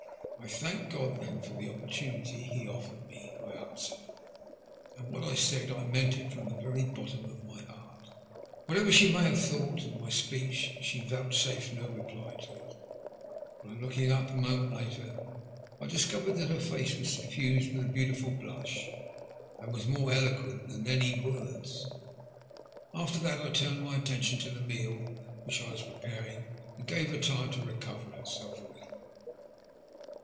I thank God, then, for the opportunity He gave me," I answered ; and what I said I meant from the very bottom of my heart. Whatever she may have thought of my speech, she vouchsafed no reply to it ; but on looking up a moment later, I discovered that her face was suffused with a beautiful blush that was more eloquent than any words. After that I turned my attention to the meal which I was preparing, and gave her time to recover herself a little.